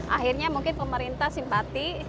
akhirnya mungkin pemerintah simpati